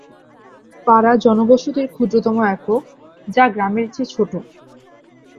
পাড়া জনবসতির ক্ষুদ্রতম একক, যা গ্রামের চেয়ে ছোট।